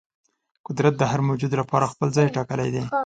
قدرت د هر موجود لپاره خپل ځای ټاکلی دی.